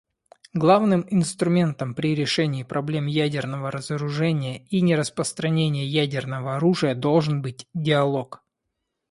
Главным инструментом при решении проблем ядерного разоружения и нераспространения ядерного оружия должен быть диалог.